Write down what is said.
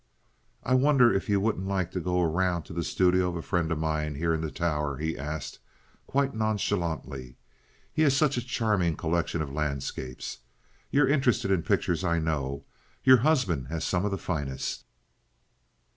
"I wonder if you wouldn't like to go around to the studio of a friend of mine here in the tower?" he asked, quite nonchalantly. "He has such a charming collection of landscapes. You're interested in pictures, I know. Your husband has some of the finest."